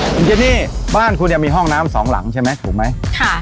คุณเจนี่บ้านคุณยังมีห้องน้ำสองหลังใช่ไหมถูกไหม